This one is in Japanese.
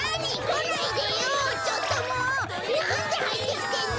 なんではいってきてんの！？